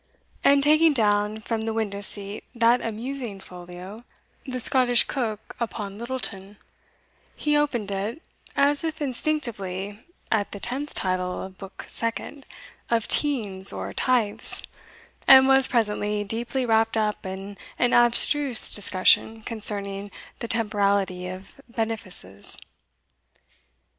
And taking down from the window seat that amusing folio, (the Scottish Coke upon Littleton), he opened it, as if instinctively, at the tenth title of Book Second, "of Teinds or Tythes," and was presently deeply wrapped up in an abstruse discussion concerning the temporality of benefices.